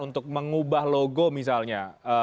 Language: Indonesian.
untuk mengubah logo misalnya